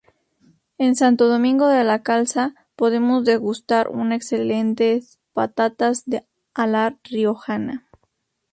En Santo Domingo de la Calzada podemos degustar unas excelentes patatas a la riojana.